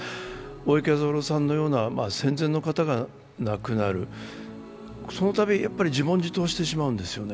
大江健三郎さんのような戦前の方が亡くなる、そのたび、自問自答してしまうんですよね。